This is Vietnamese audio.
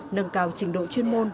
nâng cao trình độ chuyên môn